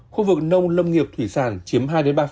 khu vực nông lâm nghiệp thủy sản chiếm hai ba